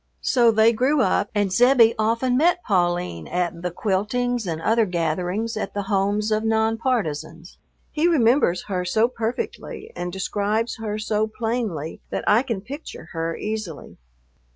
So they grew up, and Zebbie often met Pauline at the quiltings and other gatherings at the homes of non partisans. He remembers her so perfectly and describes her so plainly that I can picture her easily.